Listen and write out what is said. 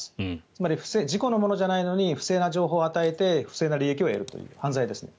つまり自己のものじゃないのに不正な情報を与えて不正な利益を得るという犯罪ですね。